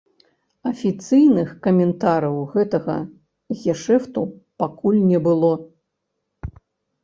Афіцыйных каментараў гэтага гешэфту пакуль не было.